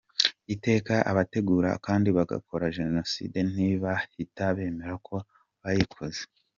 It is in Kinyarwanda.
Iteka abategura kandi bagakora Jenoside ntibahita bemera ko bayikoze.